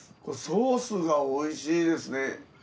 これソースがおいしいですね。